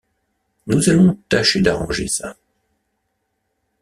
Nous allons tâcher d’arranger ça. ..